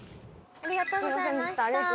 ありがとうございます。